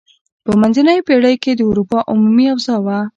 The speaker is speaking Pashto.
په منځنیو پیړیو کې د اروپا عمومي اوضاع وه.